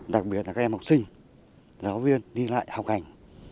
đặc biệt là các em học sinh giáo viên đi lại học hành